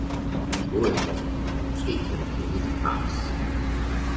gå efter det, måske kan du kende dit barns.